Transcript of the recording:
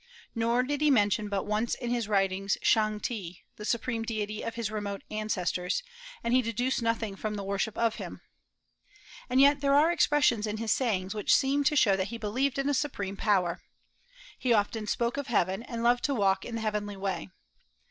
Nor did he mention but once in his writings Shang te, the supreme deity of his remote ancestors; and he deduced nothing from the worship of him. And yet there are expressions in his sayings which seem to show that he believed in a supreme power. He often spoke of Heaven, and loved to walk in the heavenly way.